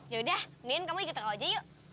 yaudah mendingan kamu ikut ke ojeyu